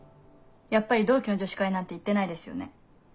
やっぱり同期の女子会なんて行ってないですよね。